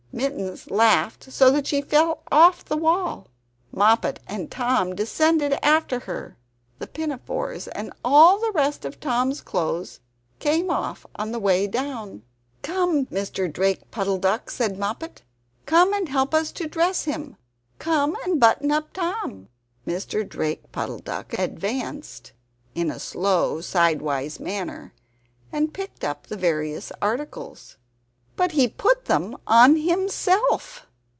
Mittens laughed so that she fell off the wall. Moppet and Tom descended after her; the pinafores and all the rest of Tom's clothes came off on the way down. "Come! Mr. Drake Puddle duck," said Moppet. "Come and help us to dress him! Come and button up Tom!" Mr. Drake Puddle duck advanced in a slow sideways manner and picked up the various articles. But he put them on HIMSELF!